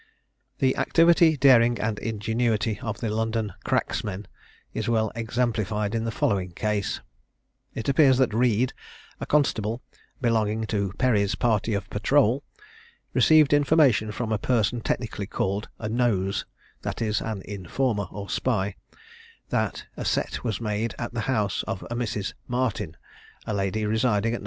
The activity, daring, and ingenuity of the London "cracksmen" is well exemplified in the following case: It appears that Reid, a constable belonging to Perry's party of patrole, received information from a person technically called a "nose," that is, an informer or spy, that a set was made at the house of a Mrs. Martin, a lady residing at No.